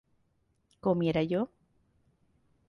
¿comiera yo?